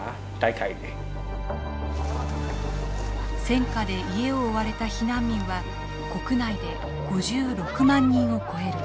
戦禍で家を追われた避難民は国内で５６万人を超える。